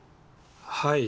はい。